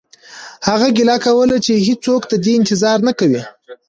هغه ګیله کوله چې هیڅوک د ده انتظار نه کوي